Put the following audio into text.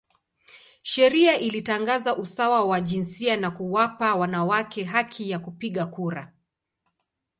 Sheria ilitangaza usawa wa jinsia na kuwapa wanawake haki ya kupiga kura.